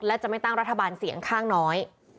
และจะไม่ตั้งรัฐบาลเสียงข้างน้อย